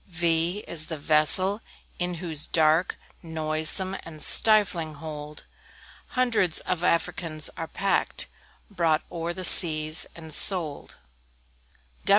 V V is the Vessel, in whose dark, Noisome, and stifling hold, Hundreds of Africans are packed, Brought o'er the seas, and sold.